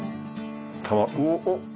おっ。